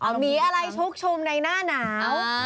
มีอะไรชุกชุมในหน้าหนาว